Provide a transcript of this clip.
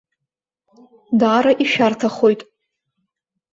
Даара ишәарҭахоит.